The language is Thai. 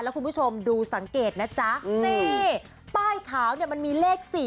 คุณผู้ชมดูสังเกตนะจ๊ะนี่ป้ายขาวเนี่ยมันมีเลข๔